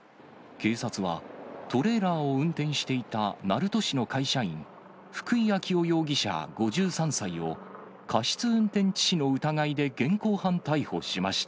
警察は、トレーラーを運転していた鳴門市の会社員、福井暁生容疑者５３歳を、過失運転致死の疑いで現行犯逮捕しました。